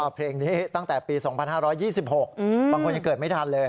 เพลงนี้ตั้งแต่ปี๒๕๒๖บางคนยังเกิดไม่ทันเลย